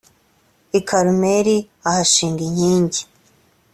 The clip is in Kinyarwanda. i karumeli ahashinga inkingi